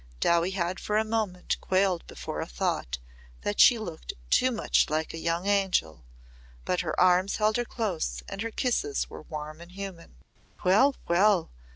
Dowie had for a moment quailed before a thought that she looked too much like a young angel, but her arms held close and her kisses were warm and human. "Well, well!"